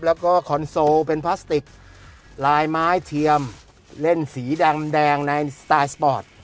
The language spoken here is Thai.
แล้วก็คอนโซลเป็นพลาสติกลายไม้เทียมเล่นสีดำแดงในสไตล์สปอร์ต